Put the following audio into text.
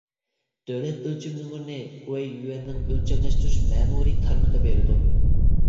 دۆلەت ئۆلچىمى نومۇرىنى گوۋۇيۈەننىڭ ئۆلچەملەشتۈرۈش مەمۇرىي تارمىقى بېرىدۇ.